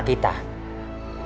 buknya dia nipu